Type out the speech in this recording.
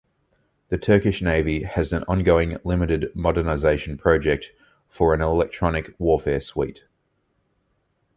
The Turkish Navy has an ongoing limited modernization project for an Electronic Warfare Suite.